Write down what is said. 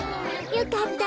よかった。